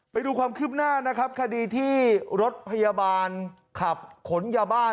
ไปดูความขึ้นหน้าขดีที่รถพยาบาลขับขนยาบ้าน